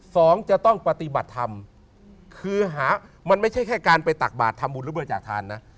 สองจะต้องปฏิบัติธรรมคือหามันไม่ใช่แค่การไปตักบาททำบุญหรือบริจาคทานนะ